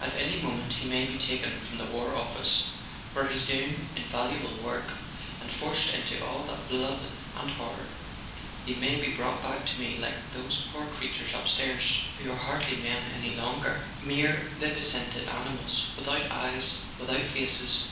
"at any moment he may be taken from the War Office, where he's doing invaluable work, and forced into all that blood and horror; he may be brought back to me like those poor creatures up stairs, who are A SON AT THE FRONT hardly men any longer ... mere vivisected animals, without eyes, without faces."